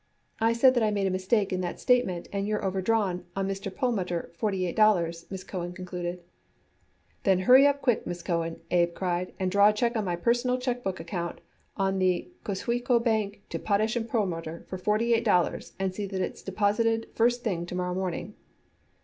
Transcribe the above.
"I said that I made a mistake in that statement, and you're overdrawn on Mr. Perlmutter forty eight dollars," Miss Cohen concluded. "Then hurry up quick, Miss Cohen," Abe cried, "and draw a check in my personal check book on the Kosciusko Bank to Potash & Perlmutter for forty eight dollars and see that it's deposited the first thing to morrow morning."